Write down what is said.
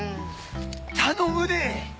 頼むで！